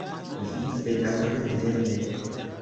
Vi, bedaŭrinde, ne.